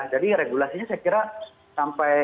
jadi regulasinya saya kira sampai